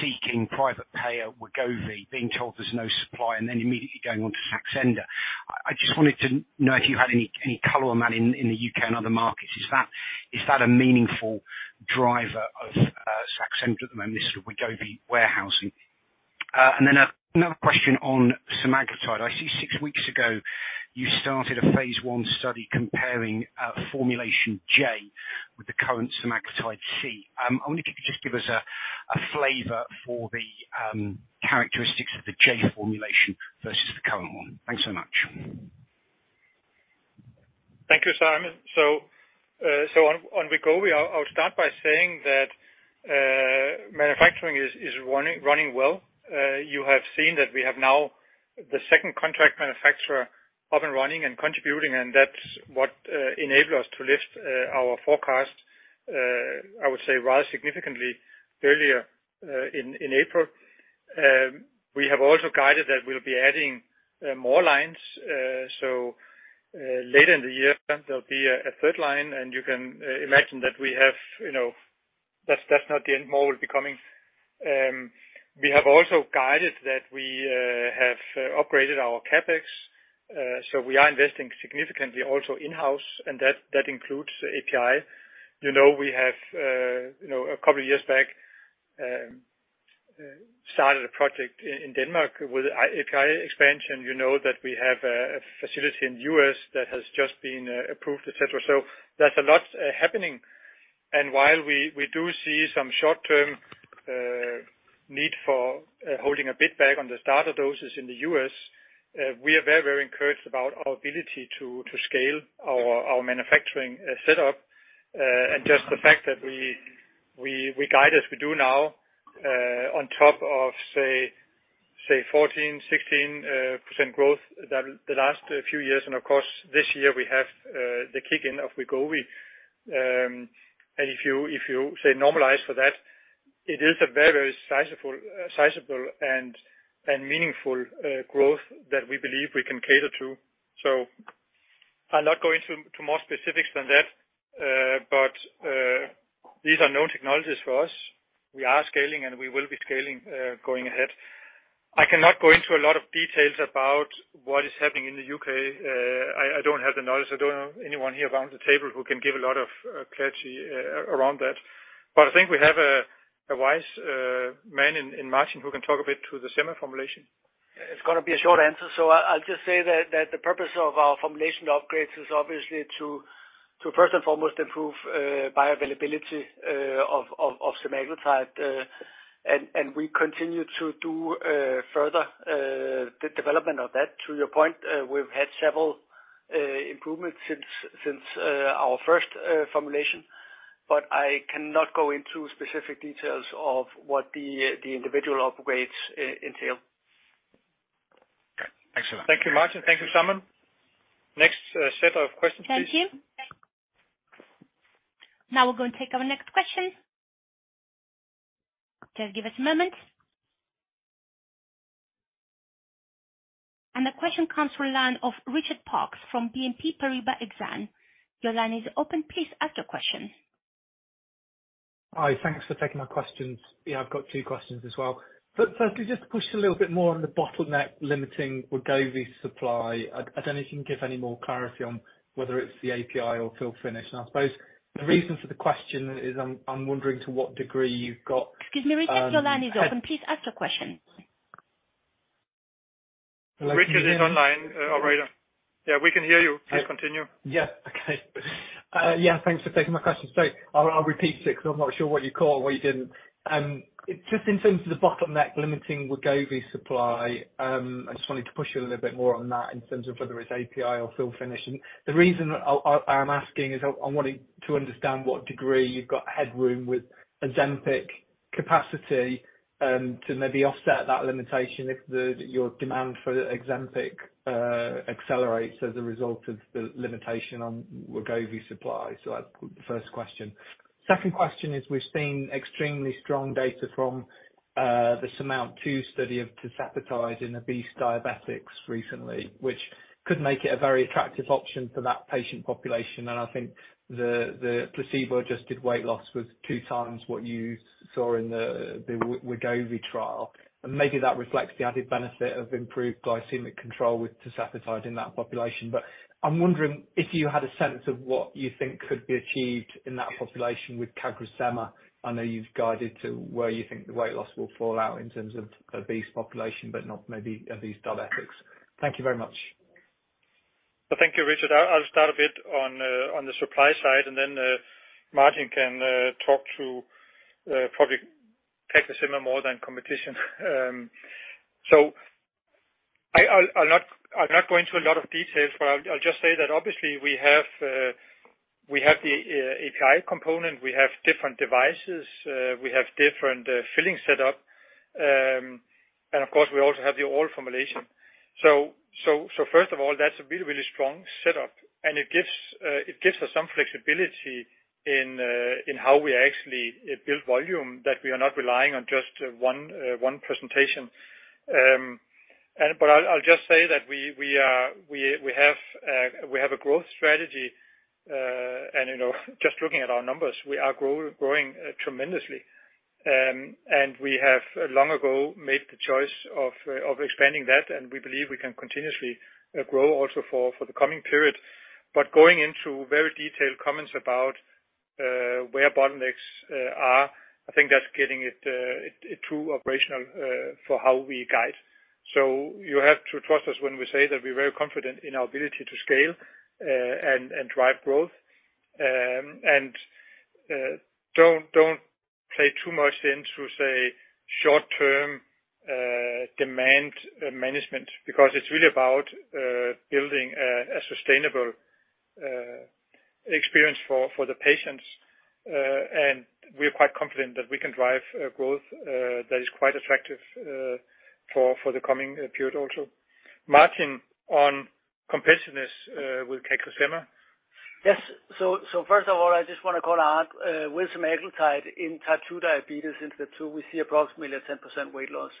seeking private payer Wegovy being told there's no supply and then immediately going on to Saxenda. I just wanted to know if you had any color on that in the U.K. and other markets. Is that a meaningful driver of Saxenda at the moment, this sort of Wegovy warehousing? Then another question on semaglutide. I see six weeks ago you started a phase one study comparing formulation J with the current semaglutide C. I wonder if you could just give us a flavor for the characteristics of the J formulation versus the current one. Thanks so much. Thank you, Simon. On Wegovy, I'll start by saying that manufacturing is running well. You have seen that we have now the second contract manufacturer up and running and contributing, and that's what enabled us to lift our forecast, I would say, rather significantly earlier in April. We have also guided that we'll be adding more lines. Later in the year, there'll be a third line, and you can imagine that we have, you know, that's not the end. More will be coming. We have also guided that we have upgraded our CapEx, so we are investing significantly also in-house, and that includes the API. You know, we have, you know, a couple of years back, started a project in Denmark with API expansion. You know that we have a facility in the U.S. that has just been approved, et cetera. There's a lot happening. While we do see some short-term need for holding a bit back on the starter doses in the U.S., we are very, very encouraged about our ability to scale our manufacturing setup. Just the fact that we guide as we do now, on top of say 14%-16% growth the last few years, and of course, this year we have the kick-in of Wegovy. And if you say normalize for that, it is a very sizable and meaningful growth that we believe we can cater to. I'll not go into more specifics than that. These are known technologies for us. We are scaling, and we will be scaling, going ahead. I cannot go into a lot of details about what is happening in the U.K. I don't have the knowledge. I don't have anyone here around the table who can give a lot of clarity around that. But I think we have a wise man in Martin who can talk a bit to the semi-formulation. It's gonna be a short answer, I'll just say that the purpose of our formulation upgrades is obviously to first and foremost improve bioavailability of semaglutide. And we continue to do further de-development of that. To your point, we've had several. Improvement since our first formulation. I cannot go into specific details of what the individual upgrades entail. Okay. Excellent. Thank you, Martin. Thank you, Simon. Next, set of questions, please. Thank you. Now we're gonna take our next question. Just give us a moment. The question comes from the line of Richard Parkes from BNP Paribas Exane. Your line is open. Please ask your question. Hi. Thanks for taking my questions. Yeah, I've got two questions as well. First can you just push a little bit more on the bottleneck limiting Wegovy supply? I don't know if you can give any more clarity on whether it's the API or fill finish. I suppose the reason for the question is I'm wondering to what degree you've got. Excuse me. Richard, your line is open. Please ask your question. Richard is online. Operator. Yeah, we can hear you. Please continue. Okay. Thanks for taking my questions. I'll repeat it 'cause I'm not sure what you caught and what you didn't. Just in terms of the bottleneck limiting Wegovy supply, I just wanted to push you a little bit more on that in terms of whether it's API or fill finish. The reason I'm asking is I'm wanting to understand what degree you've got headroom with Ozempic capacity to maybe offset that limitation if the your demand for Ozempic accelerates as a result of the limitation on Wegovy supply. That's the first question. Second question is we've seen extremely strong data from the SURMOUNT-2 study of tirzepatide in obese diabetics recently, which could make it a very attractive option for that patient population. I think the placebo-adjusted weight loss was two times what you saw in the Wegovy trial. Maybe that reflects the added benefit of improved glycemic control with tirzepatide in that population. I'm wondering if you had a sense of what you think could be achieved in that population with CagriSema. I know you've guided to where you think the weight loss will fall out in terms of obese population, but not maybe obese diabetics. Thank you very much. Thank you, Richard. I'll start a bit on the supply side, and then Martin can talk to probably CagriSema more than competition. I'll not go into a lot of details, but I'll just say that obviously we have the API component, we have different devices, we have different filling set up. Of course, we also have the old formulation. First of all, that's a really, really strong setup, and it gives us some flexibility in how we actually build volume, that we are not relying on just one presentation. I'll just say that we are, we have a growth strategy. You know, just looking at our numbers, we are growing tremendously. We have long ago made the choice of expanding that, and we believe we can continuously grow also for the coming period. Going into very detailed comments about where bottlenecks are, I think that's getting it too operational for how we guide. You have to trust us when we say that we're very confident in our ability to scale and drive growth. Don't play too much into, say, short-term demand management, because it's really about building a sustainable experience for the patients. We're quite confident that we can drive growth that is quite attractive for the coming period also. Martin, on competitiveness with CagriSema. Yes. First of all, I just wanna call out, with semaglutide in Type 2 diabetes, in the 2 we see approximately a 10% weight loss.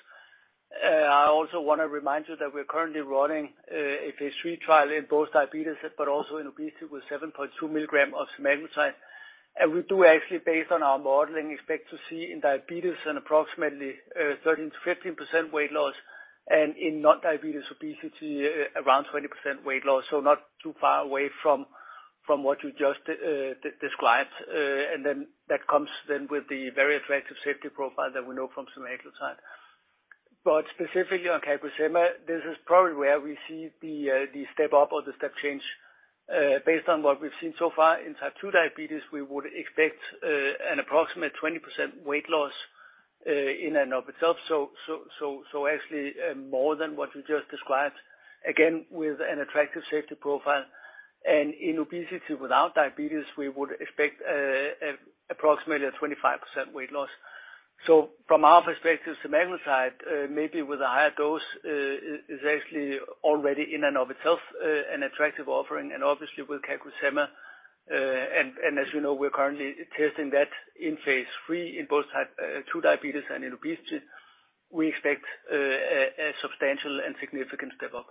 I also wanna remind you that we're currently running a phase III trial in both diabetes but also in obesity with 7.2 mg of semaglutide. We do actually, based on our modeling, expect to see in diabetes an approximately 13%-15% weight loss and in non-diabetes obesity, around 20% weight loss. Not too far away from what you just described. And then that comes then with the very attractive safety profile that we know from semaglutide. Specifically on CagriSema, this is probably where we see the step up or the step change. Based on what we've seen so far in Type 2 diabetes, we would expect an approximate 20% weight loss in and of itself. Actually, more than what you just described, again, with an attractive safety profile. In obesity without diabetes, we would expect approximately a 25% weight loss. From our perspective, semaglutide, maybe with a higher dose, is actually already in and of itself an attractive offering and obviously with CagriSema. As you know, we're currently testing that in phase III in both Type 2 diabetes and in obesity. We expect a substantial and significant step up.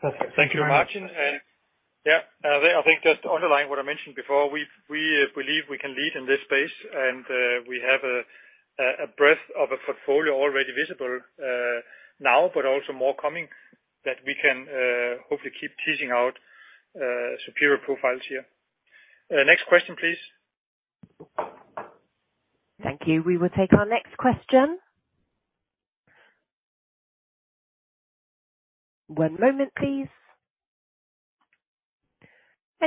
Perfect. Thank you very much. Martin. Yeah. I think just to underline what I mentioned before, we believe we can lead in this space, and we have a breadth of a portfolio already visible now, but also more coming that we can hopefully keep teasing out superior profiles here. Next question please. Thank you. We will take our next question. One moment please.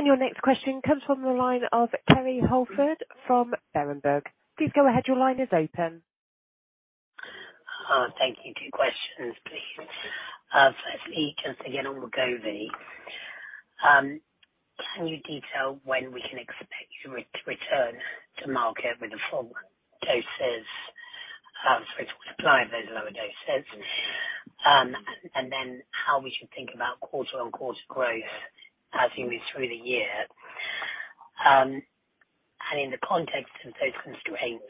Your next question comes from the line of Kerry Holford from Berenberg. Please go ahead. Your line is open. Thank you. Two questions, please. Firstly, just again on Wegovy. Can you detail when we can expect you to return to market with the full doses, sorry, to supply those lower doses? How we should think about quarter-on-quarter growth as you move through the year. In the context of those constraints,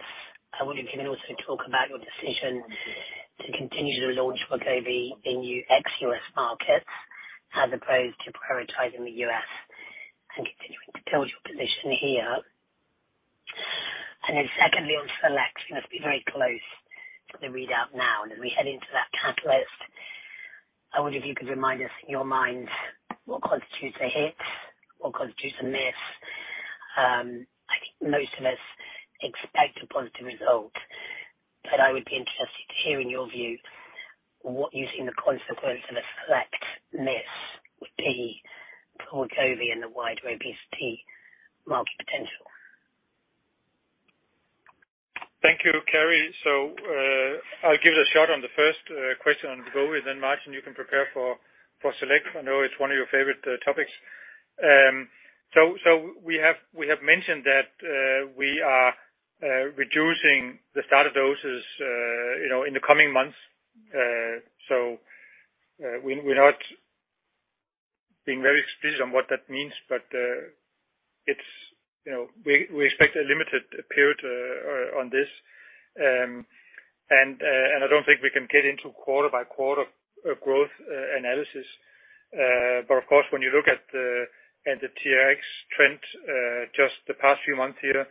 I wonder if you can also talk about your decision to continue to launch Wegovy in ex U.S. markets, as opposed to prioritizing the U.S. and continuing to build your position here. Secondly, on SELECT, you must be very close to the readout now and as we head into that catalyst, I wonder if you could remind us, in your mind, what constitutes a hit, what constitutes a miss. I think most of us expect a positive result, but I would be interested to hear in your view what you see the consequence of a SELECT miss would be for Wegovy and the wider obesity market potential. Thank you, Kerry. I'll give it a shot on the first question on Wegovy, then Martin you can prepare for SELECT. I know it's one of your favorite topics. We have mentioned that we are reducing the starter doses, you know, in the coming months. We're not being very explicit on what that means, but it's, you know, we expect a limited period on this. I don't think we can get into quarter by quarter analysis. Of course, when you look at the TRX trend, just the past few months here,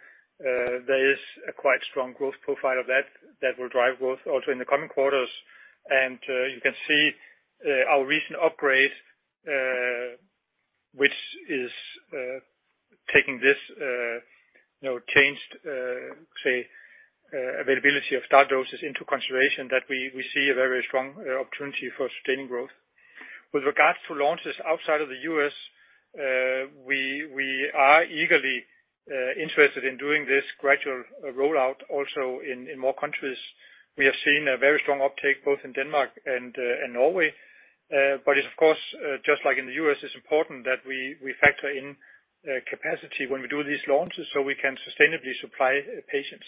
there is a quite strong growth profile of that will drive growth also in the coming quarters. You can see our recent upgrade, which is taking this, you know, changed, say, availability of starter doses into consideration that we see a very strong opportunity for sustaining growth. With regards to launches outside of the U.S., we are eagerly interested in doing this gradual rollout also in more countries. We have seen a very strong uptake both in Denmark and Norway. It's of course, just like in the U.S., it's important that we factor in capacity when we do these launches so we can sustainably supply patients.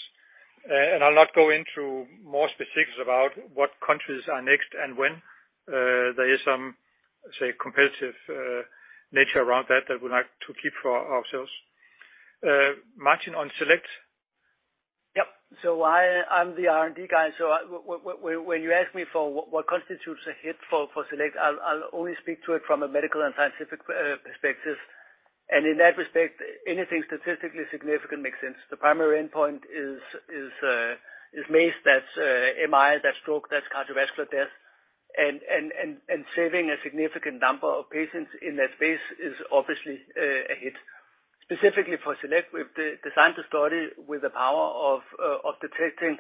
I'll not go into more specifics about what countries are next and when, there is some, say, competitive nature around that we like to keep for ourselves. Martin, on SELECT. Yep. I'm the R&D guy, so I, when you ask me for what constitutes a hit for SELECT, I'll only speak to it from a medical and scientific perspective. In that respect, anything statistically significant makes sense. The primary endpoint is MACE, that's MI, that's stroke, that's cardiovascular death. And saving a significant number of patients in that space is obviously a hit. Specifically for SELECT, we've designed the study with the power of detecting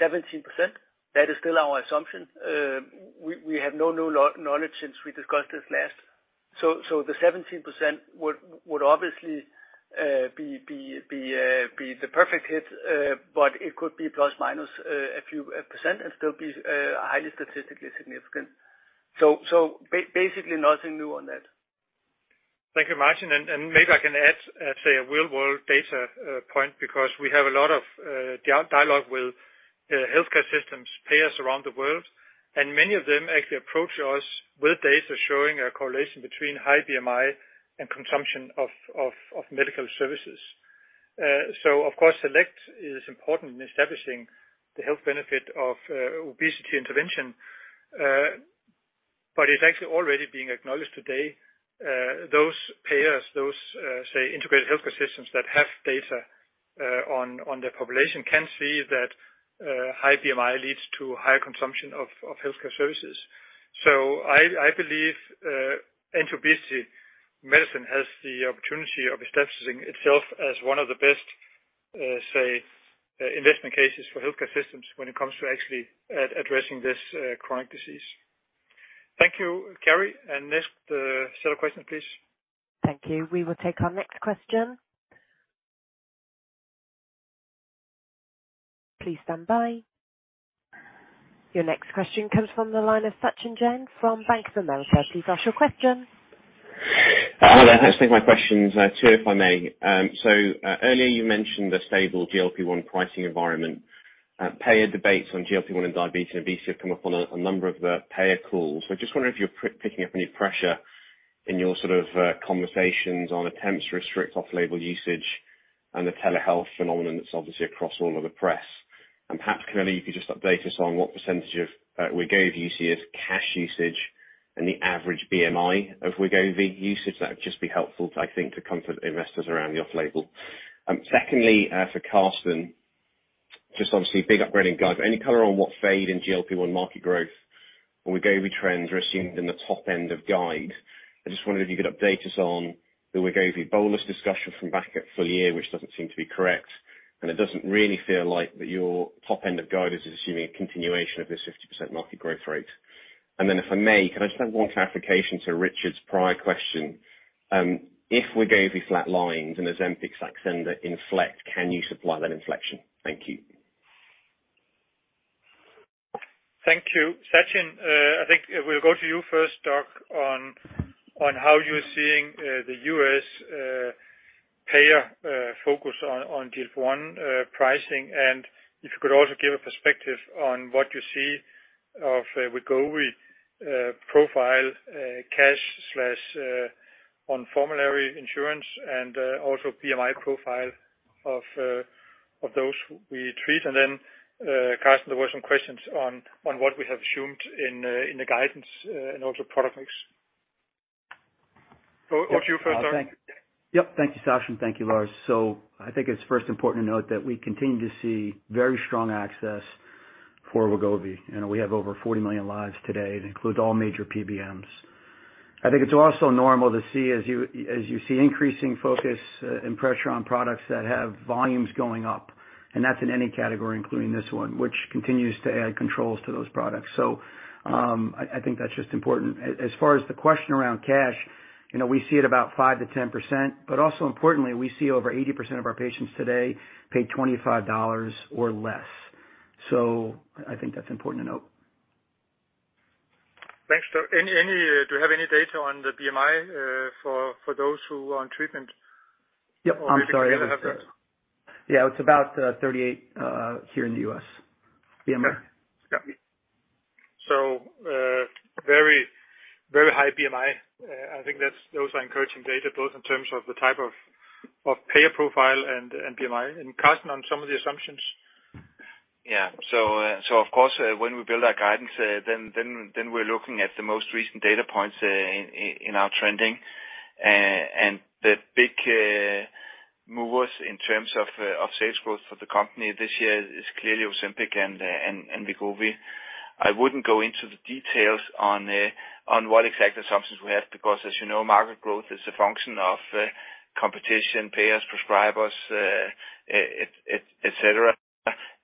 17%. That is still our assumption. We have no new knowledge since we discussed this last. The 17% would obviously be the perfect hit, but it could be plus minus a few percent and still be highly statistically significant. Basically nothing new on that. Thank you, Martin. Maybe I can add, say, a real world data point because we have a lot of dialogue with healthcare systems payers around the world, and many of them actually approach us with data showing a correlation between high BMI and consumption of medical services. Of course SELECT is important in establishing the health benefit of obesity intervention, but it's actually already being acknowledged today. Those payers, those say integrated healthcare systems that have data on their population can see that high BMI leads to higher consumption of healthcare services. I believe anti-obesity medicine has the opportunity of establishing itself as one of the best say investment cases for healthcare systems when it comes to actually addressing this chronic disease. Thank you, Kerry. Next, set of questions, please. Thank you. We will take our next question. Please stand by. Your next question comes from the line of Sachin Jain from Bank of America. Please ask your question. Hi there. Thanks. My question is two, if I may. Earlier you mentioned the stable GLP-1 pricing environment. Payer debates on GLP-1 and diabetes and obesity have come up on a number of payer calls. I just wonder if you're picking up any pressure in your sort of conversations on attempts to restrict off-label usage and the telehealth phenomenon that's obviously across all of the press. Perhaps, Kerry, you could just update us on what percentage of Wegovy you see as cash usage and the average BMI of Wegovy usage. That would just be helpful, I think, to comfort investors around the off-label. Secondly, for Karsten, just obviously big upgrade in guide, but any color on what fade in GLP-1 market growth or Wegovy trends are assumed in the top end of guide? I just wondered if you could update us on the Wegovy bolus discussion from back at full year, which doesn't seem to be correct, and it doesn't really feel like that your top end of guide is assuming a continuation of this 50% market growth rate. If I may, can I just have one clarification to Richard's prior question? If we go through flat lines and Ozempic Saxenda inflect, can you supply that inflection? Thank you. Thank you. Sachin, I think we'll go to you first, Doug, on how you're seeing the U.S. payer focus on GLP-1 pricing. If you could also give a perspective on what you see of Wegovy profile, cash/on formulary insurance and also BMI profile of those we treat. Then, Karsten, there were some questions on what we have assumed in the guidance and also product mix. Yeah. You first, Doug. Yep, thank you, Sachin. Thank you, Lars. I think it's first important to note that we continue to see very strong access for Wegovy. You know, we have over 40 million lives today. It includes all major PBMs. I think it's also normal to see as you see increasing focus and pressure on products that have volumes going up, and that's in any category, including this one, which continues to add controls to those products. I think that's just important. As far as the question around cash, you know, we see it about 5%-10%, but also importantly, we see over 80% of our patients today pay $25 or less. I think that's important to note. Thanks, Doug. Any, do you have any data on the BMI, for those who are on treatment? Yep. I'm sorry. We don't have that? Yeah, it's about 38 here in the U.S., BMI. Yeah. very, very high BMI. I think those are encouraging data, both in terms of the type of payer profile and BMI. Karsten, on some of the assumptions. Of course, when we build our guidance, then we're looking at the most recent data points in our trending. The big movers in terms of sales growth for the company this year is clearly Ozempic and Wegovy. I wouldn't go into the details on what exact assumptions we have, because as you know, market growth is a function of competition, payers, prescribers, etcetera,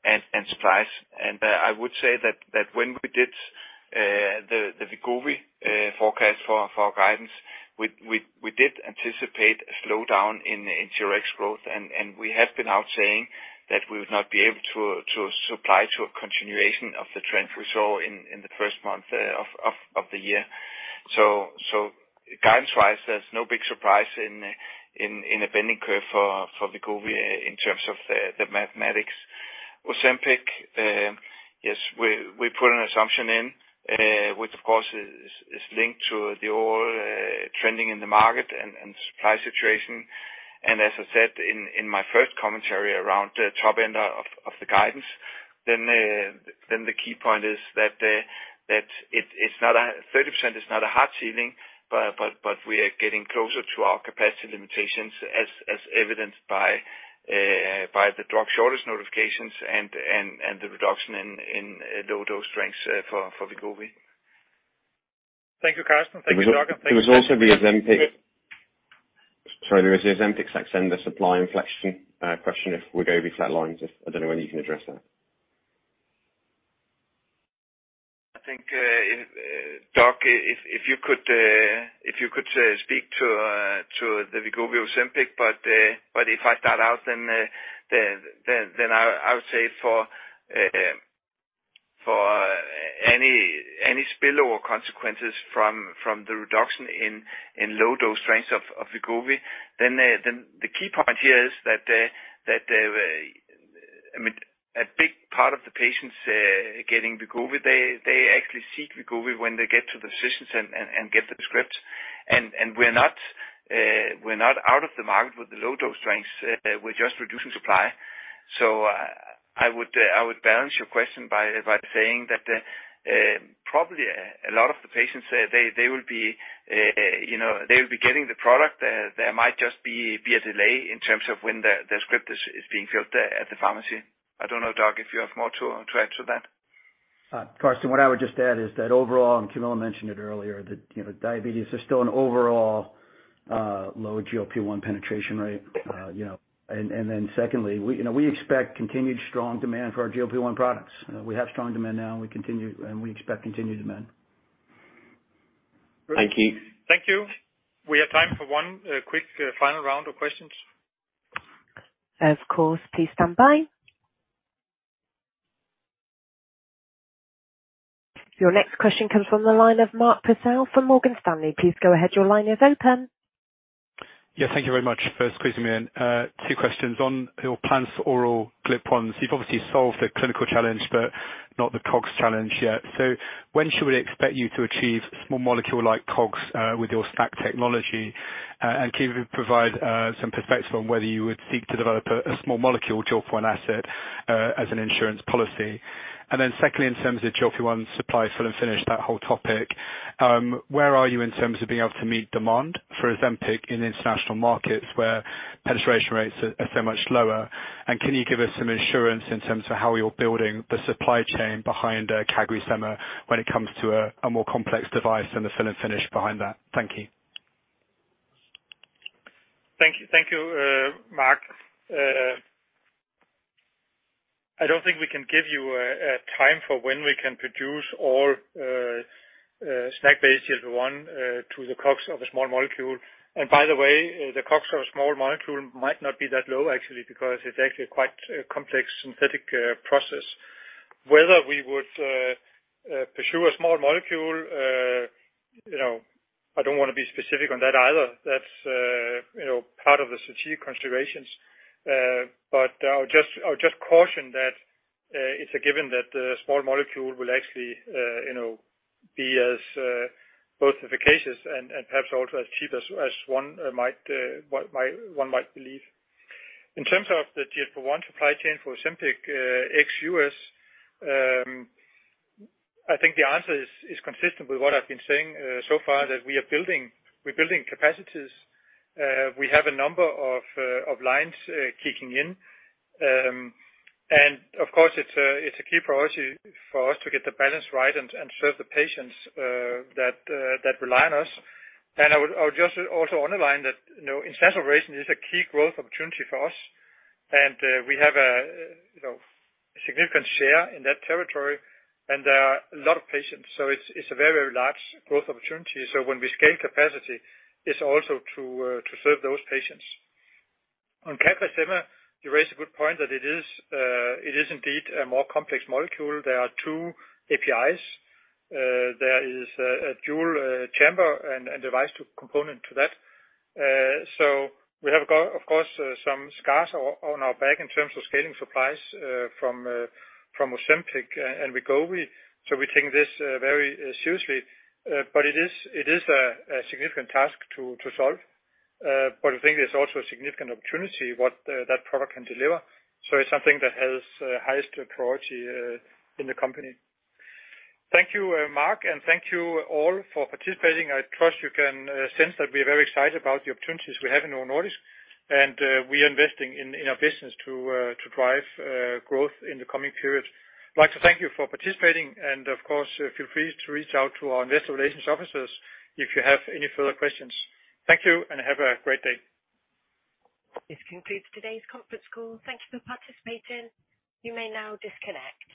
and price. I would say that when we did the Wegovy forecast for our guidance, we did anticipate a slowdown in TRx growth. We have been out saying that we would not be able to supply to a continuation of the trend we saw in the first month of the year. Guidance-wise, there's no big surprise in a bending curve for Wegovy in terms of the mathematics. Ozempic, yes, we put an assumption in which of course is linked to the overall trending in the market and supply situation. As I said in my first commentary around the top end of the guidance, then the key point is that it's not a, 30% is not a hard ceiling, but we are getting closer to our capacity limitations as evidenced by the drug shortage notifications and the reduction in low dose strengths for Wegovy. Thank you, Karsten. Thank you, Doug. Thank you. There was the Ozempic Saxenda supply inflection, question, if we go over flat lines. I don't know whether you can address that. I think, Doug, if you could speak to the Wegovy Ozempic, but if I start out, then I would say for any spillover consequences from the reduction in low dose strengths of Wegovy, then the key point here is that, I mean, a big part of the patients getting Wegovy, they actually seek Wegovy when they get to the physicians and get the scripts. We're not out of the market with the low dose strengths. We're just reducing supply. I would balance your question by saying that, probably a lot of the patients, they will be, you know, getting the product. There might just be a delay in terms of when the script is being filled at the pharmacy. I don't know, Doug, if you have more to add to that. Karsten, what I would just add is that overall, and Camilla mentioned it earlier, that, you know, diabetes is still an overall, low GLP-1 penetration rate. You know, and then secondly, we, you know, we expect continued strong demand for our GLP-1 products. We have strong demand now and we expect continued demand. Thank you. Thank you. We have time for one quick final round of questions. Of course. Please stand by. Your next question comes from the line of Mark Purcell from Morgan Stanley. Please go ahead. Your line is open. Yeah, thank you very much for squeezing me in. Two questions. On your plans for oral GLP-1, you've obviously solved the clinical challenge, but not the COGS challenge yet. When should we expect you to achieve small molecule like COGS, with your SNAC technology? Can you provide some perspective on whether you would seek to develop a small molecule GLP-1 asset, as an insurance policy? Secondly, in terms of GLP-1 supply fill and finish, that whole topic, where are you in terms of being able to meet demand for Ozempic in international markets where penetration rates are so much lower? Can you give us some assurance in terms of how you're building the supply chain behind CagriSema when it comes to a more complex device and the fill and finish behind that? Thank you. Thank you. Thank you, Mark. I don't think we can give you a time for when we can produce all SNAC-based GLP-1 to the COGS of a small molecule. By the way, the COGS of a small molecule might not be that low, actually, because it's actually a quite complex synthetic process. Whether we would pursue a small molecule, you know, I don't wanna be specific on that either. That's, you know, part of the strategic considerations. I'll just caution that it's a given that the small molecule will actually, you know, be as both efficacious and perhaps also as cheap as one might, one might believe. In terms of the GLP-1 supply chain for Ozempic ex-U.S., I think the answer is consistent with what I've been saying so far, that we're building capacities. We have a number of lines kicking in. Of course, it's a key priority for us to get the balance right and serve the patients that rely on us. I would just also underline that, you know, [audio distortion] We have a significant share in that territory, and a lot of patients. It's a very relaxed. [audio distortion] Thank you, Mark, and thank you all for participating. I trust you can sense that we are very excited about the opportunities we have in Novo Nordisk, and we are investing in our business to drive growth in the coming periods. I'd like to thank you for participating. Of course, feel free to reach out to our Investor Relations officers if you have any further questions. Thank you. Have a great day. This concludes today's conference call. Thank you for participating. You may now disconnect.